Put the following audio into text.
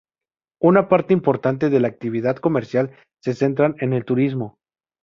Una parte importante de la actividad comercial se centra en el turismo.